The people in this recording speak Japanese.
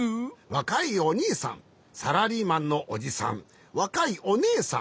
わかいおにいさんサラリーマンのおじさんわかいおねえさん。